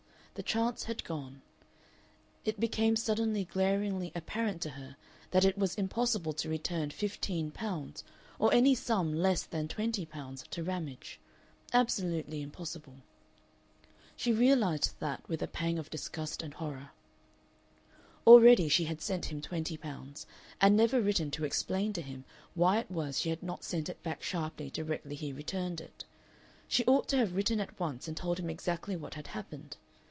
The chance had gone. It became suddenly glaringly apparent to her that it was impossible to return fifteen pounds or any sum less than twenty pounds to Ramage absolutely impossible. She realized that with a pang of disgust and horror. Already she had sent him twenty pounds, and never written to explain to him why it was she had not sent it back sharply directly he returned it. She ought to have written at once and told him exactly what had happened.